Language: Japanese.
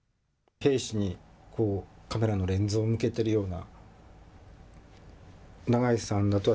兵士にカメラのレンズを向けてるような。